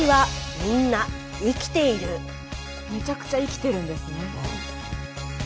めちゃくちゃ生きてるんですね。